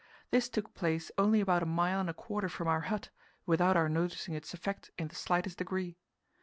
This took place only about a mile and a quarter from our hut, without our noticing its effect in the slightest degree.